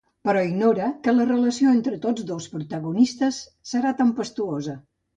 Però ignora que la relació entre tots dos protagonistes serà tempestuosa.